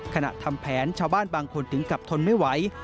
ทำแผนชาวบ้านบางคนถึงกลับทนไม่ไหว